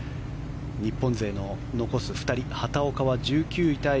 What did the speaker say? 日本勢の残す２人畑岡は１９位タイ。